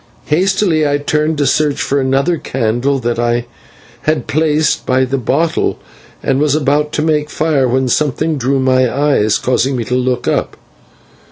Hastily I turned to search for another candle that I had placed by the bottle, and was about to make fire when something drew my eyes, causing me to look up.